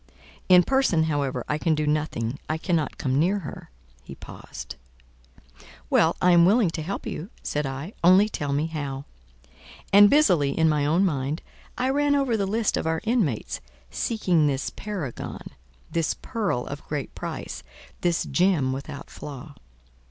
In person, however, I can do nothing I cannot come near her"—he paused. "Well, I am willing to help you," said I, "only tell me how." And busily, in my own mind, I ran over the list of our inmates, seeking this paragon, this pearl of great price, this gem without flaw.